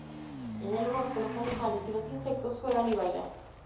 En el bosque, los animales y los insectos juegan y bailan.